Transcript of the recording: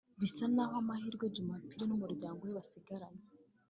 bisa n’aho amahirwe Djumapili n’umuryango we basigaranye